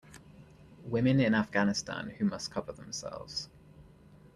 Women in Afghanistan who must cover themselves.